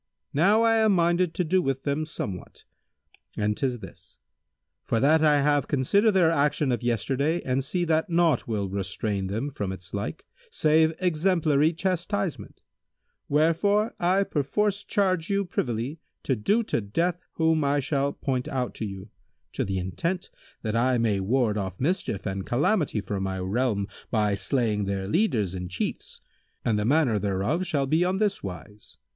Now I am minded to do with them somewhat; and 'tis this, for that I have considered their action of yesterday and see that naught will restrain them from its like save exemplary chastisement; wherefore I perforce charge you privily to do to death whom I shall point out to you, to the intent that I may ward off mischief and calamity from my realm by slaying their leaders and Chiefs; and the manner thereof shall be on this wise.